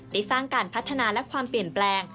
ได้สร้างการพัฒนาและความเปลี่ยนแปลง